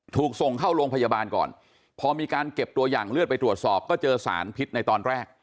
ถูกส่งเข้าโรงพยาบาลก่อนพอมีการเก็บตัวอย่างเลือดไปตรวจสอบก็เจอสารพิษในตอนแรก